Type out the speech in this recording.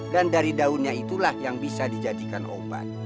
dan dari daunnya itulah yang bisa dijadikan obat